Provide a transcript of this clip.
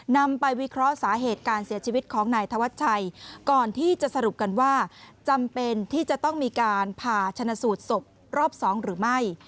นำไปวิเคราะห์สาเหตุการเสียชีวิตของนายธวัชชัยก่อนที่จะสรุปกันว่าจำเป็นที่จะต้องมีการผ่าชนะสูตรศพรอบ๒หรือไม่